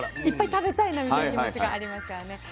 いっぱい食べたいなみたいな気持ちがありますからね。